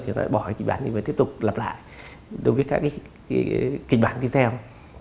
thì nó bỏ cái kịch bản này và tiếp tục lặp lại đối với các kịch bản tiếp theo